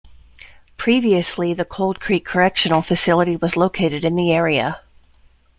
Previously the Cold Creek Correctional Facility was located in the area.